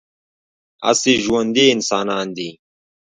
هسې ژوندي انسانان دي